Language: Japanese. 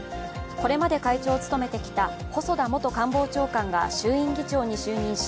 これまで会長を務めてきた細田元官房長官が衆院議長に就任し、